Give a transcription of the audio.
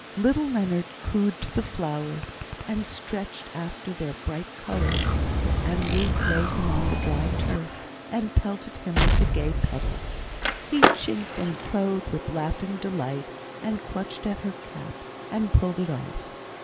Little Leonard cooed to the flowers, and stretched after their bright colours; and Ruth laid him on the dry turf, and pelted him with the gay petals. He chinked and crowed with laughing delight, and clutched at her cap, and pulled it off.